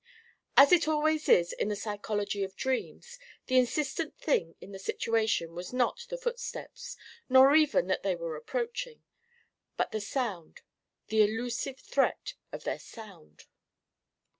As it always is in the psychology of dreams the insistent thing in the situation was not the footsteps, nor even that they were approaching, but the sound: the elusive threat of their sound.